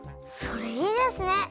それいいですね！